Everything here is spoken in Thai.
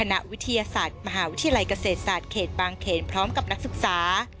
นักวิทยาศาสตร์มหาวิทยาลัยเกษตรศาสตร์เขตบางเขนพร้อมกับนักศึกษา